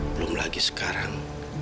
belum lagi sekarang